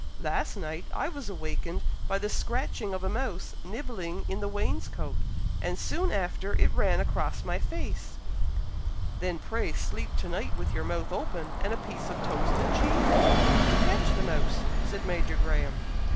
"Last night I was awakened by the scratching of a mouse nibbling in the wainscoat, and soon after it ran across my face." "Then pray sleep to night with your mouth open, and a piece of toasted cheese in it, to catch the mouse," said Major Graham.